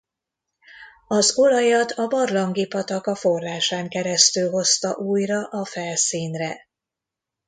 Az olajat a barlangi patak a forrásán keresztül hozta újra a felszínre.